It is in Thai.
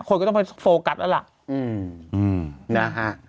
คนก็ต้องไปโฟกัสแล้วล่ะนะฮะ